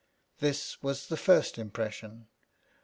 This was the first impression.